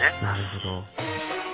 なるほど。